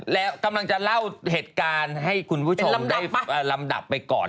แล้วกำลังจะเล่าเหตุการณ์ให้คุณผู้ชมได้ลำดับไปก่อน